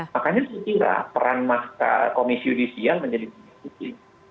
makanya saya kira peran komisi judisial menjadi diikuti